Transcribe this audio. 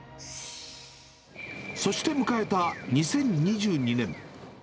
そして迎えた２０２２年。